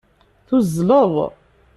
Tuzzleḍ.